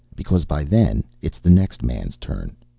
Because by then it's the next man's turn.